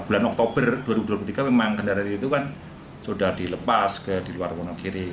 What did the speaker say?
dan tanggal bulan oktober dua ribu dua puluh tiga memang kendaraan itu kan sudah dilepas ke di luar wonokiri